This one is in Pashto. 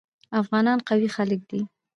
افغانان قوي خلک دي.